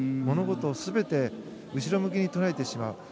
物事を全て後ろ向きに捉えてしまう。